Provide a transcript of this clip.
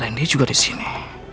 rande juga disini